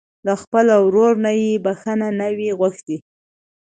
له خپل ورور نه يې بښته نه وي غوښتې.